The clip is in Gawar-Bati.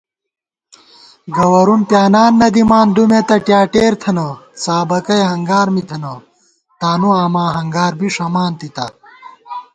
گوَرُوم پیانان نہ دِمان دُمے تہ ٹیاٹېر تھنہ * څابَکئی ہنگار می تھنہ، تانُو آما ہنگار بی ݭمان تِتا